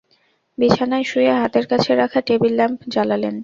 বিছানায় শুয়ে হাতের কাছে রাখা টেবিল ল্যাম্প জ্বালালেন।